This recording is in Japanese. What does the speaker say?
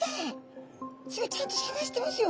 ちゃんとさがしてますよ！